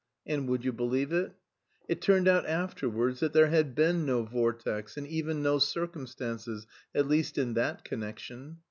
And would you believe it? It turned out afterwards that there had been no "vortex" and even no "circumstances," at least in that connection.